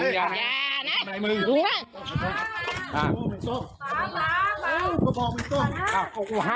แย่นะ